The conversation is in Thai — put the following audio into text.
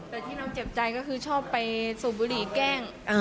แต่ที่เราเจ็บใจก็คือชอบไปสูบบุหรี่แกล้ง